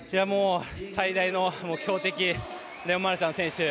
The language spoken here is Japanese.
最大の強敵レオン・マルシャン選手